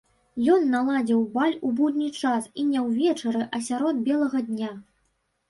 Ён наладзіў баль у будні час і не ўвечары, а сярод белага дня.